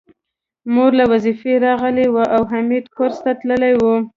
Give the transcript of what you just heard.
مور له وظيفې راغلې وه او حميد کورس ته تللی و